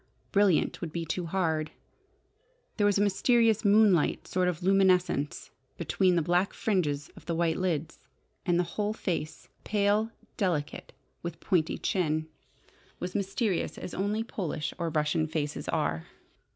"Brilliant" would be too hard. There was a mysterious, moonlight sort of luminance between the black fringes of the white lids, and the whole face pale, delicate, with pointed chin was mysterious as only Polish or Russian faces are.